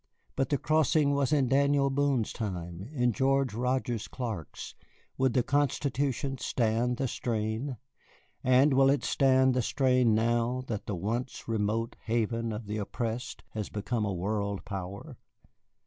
But The Crossing was in Daniel Boone's time, in George Rogers Clark's. Would the Constitution stand the strain? And will it stand the strain now that the once remote haven of the oppressed has become a world power?